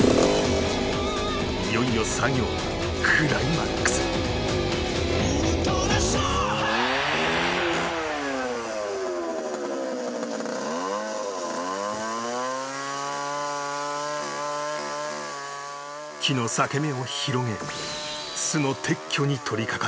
いよいよ作業は木の裂け目を広げ巣の撤去に取りかかる